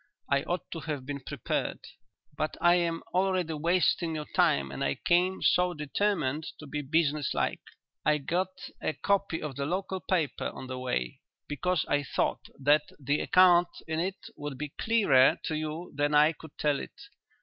I ought to have been prepared. But I am already wasting your time and I came so determined to be business like. I got a copy of the local paper on the way, because I thought that the account in it would be clearer to you than I could tell it.